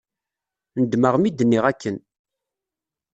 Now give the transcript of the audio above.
Nedmeɣ mi d-nniɣ akken.